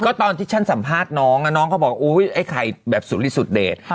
ก็ตอนที่ฉันสัมภาษณ์น้องน้องเขาบอกอุ๊ยไอ้ไข่แบบสุริสุดเดช